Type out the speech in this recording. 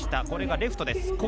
これがレフトです。